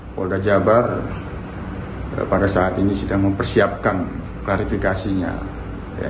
polda jabar pada saat ini sedang mempersiapkan klarifikasinya